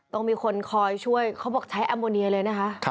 ต้องมีคนคอยช่วยเขาบอกใช้แอมโมเนียเลยนะคะ